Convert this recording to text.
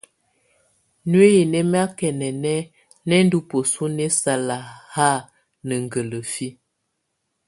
Nuiyi nɛ makɛnɛnɛ nɛndɔ bəsu nɛsala ha nə gələfiə.